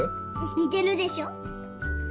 似てるでしょ？